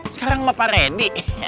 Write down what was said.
sekarang sama pak rendi